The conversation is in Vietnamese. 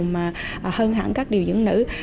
mà hơn hẳn các điều dưỡng nữ